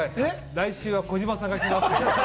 来週は児嶋さんが来ます。